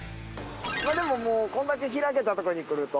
でももうこんだけ開けたところに来ると。